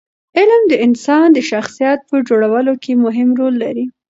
علم د انسان د شخصیت په جوړولو کې مهم رول لري.